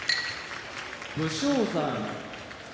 武将山